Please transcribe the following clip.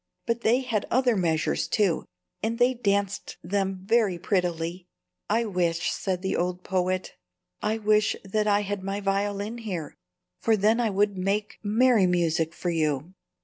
But they had other measures, too, and they danced them very prettily. "I wish," said the old poet, "I wish that I had my violin here, for then I would make merry music for you."